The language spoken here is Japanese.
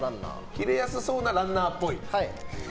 キレやすそうなランナーっぽい。